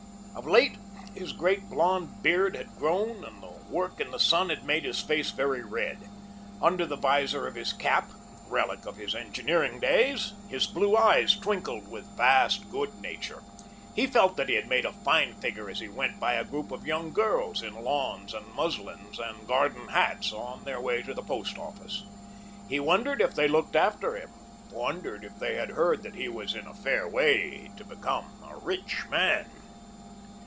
Of late, his great blond beard had grown and the work in the sun had made his face very red. Under the visor of his cap relic of his engineering days his blue eyes twinkled with vast good nature. He felt that he made a fine figure as he went by a group of young girls in lawns and muslins and garden hats on their way to the Post Office. He wondered if they looked after him, wondered if they had heard that he was in a fair way to become a rich man.